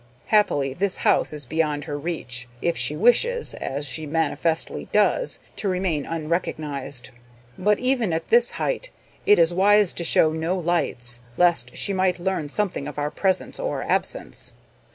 Happily, this house is beyond her reach, if she wishes as she manifestly does to remain unrecognised. But, even at this height, it is wise to show no lights, lest she might learn something of our presence or absence."